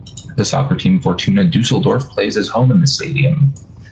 The soccer team Fortuna Düsseldorf plays as home in the stadium.